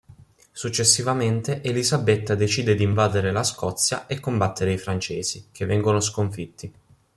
Successivamente Elisabetta decide di invadere la Scozia e combattere i francesi, che vengono sconfitti.